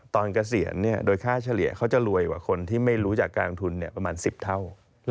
เกษียณโดยค่าเฉลี่ยเขาจะรวยกว่าคนที่ไม่รู้จากการลงทุนประมาณ๑๐เท่า